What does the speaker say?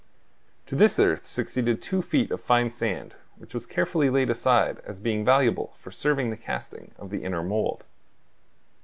To this earth succeeded two feet of fine sand, which was carefully laid aside as being valuable for serving the casting of the inner mould.